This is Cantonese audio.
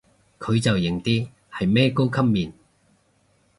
佢就型啲，係咩高級面